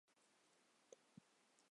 渥太华条约。